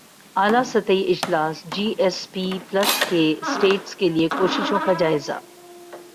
اعلی سطحی اجلاس جی ایس پی پلس کے اسٹیٹس کیلئے کوششوں کا جائزہ